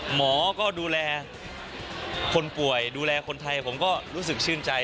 หมอก็ดูแลคนป่วยดูแลคนไทยผมก็รู้สึกชื่นใจ